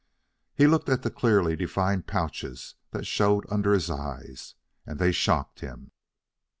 He looked at the clearly defined pouches that showed under his eyes, and they've shocked him.